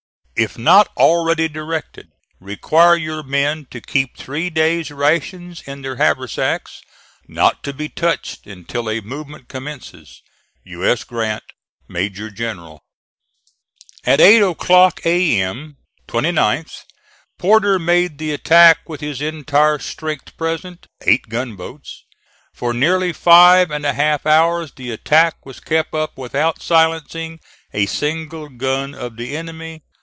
If not already directed, require your men to keep three days' rations in their haversacks, not to be touched until a movement commences. U. S. GRANT, Major General. At 8 o'clock A.M., 29th, Porter made the attack with his entire strength present, eight gunboats. For nearly five and a half hours the attack was kept up without silencing a single gun of the enemy.